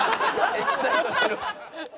エキサイトしてる。